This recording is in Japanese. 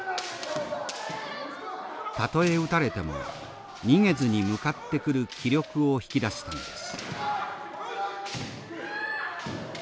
たとえ打たれても逃げずに向かってくる気力を引き出すためです。